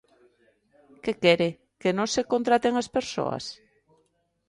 ¿Que quere?, ¿que non se contraten as persoas?